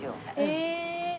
へえ。